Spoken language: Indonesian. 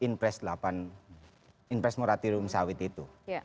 kita bisa evaluasi sawit melalui impres moratorium sawit itu